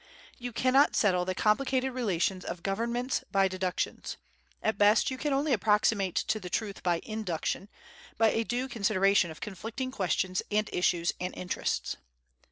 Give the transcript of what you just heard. You cannot settle the complicated relations of governments by deductions. At best you can only approximate to the truth by induction, by a due consideration of conflicting questions and issues and interests.